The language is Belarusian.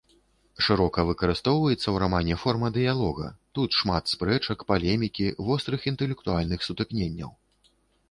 Шырока выкарыстоўваецца ў рамане форма дыялога, тут шмат спрэчак, палемікі, вострых інтэлектуальных сутыкненняў.